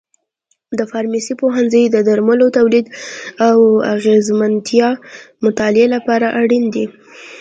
د فارمسي پوهنځی د درملو تولید او اغیزمنتیا مطالعې لپاره اړین دی.